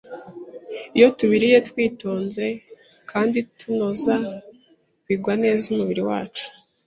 Iyo tubiriye twitonze kandi tunoza, bigwa neza umubiri wose.